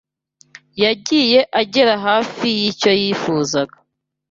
yagiye agera hafi y’icyo yifuzaga